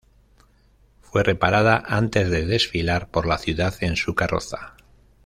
Fue reparada antes de desfilar por la ciudad en su carroza.